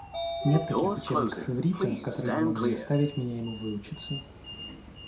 Нет таких учебников иврита, которые бы могли заставить меня ему выучиться.